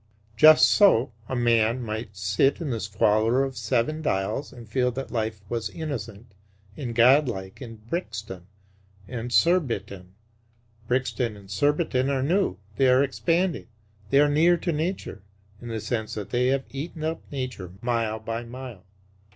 Just so a man might sit in the squalor of Seven Dials and feel that life was innocent and godlike in Brixton and Surbiton. Brixton and Surbiton are "new"; they are expanding; they are "nearer to nature," in the sense that they have eaten up nature mile by mile.